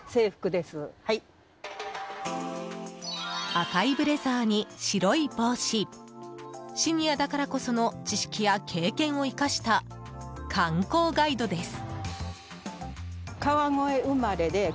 赤いブレザーに白い帽子シニアだからこその知識や経験を生かした観光ガイドです。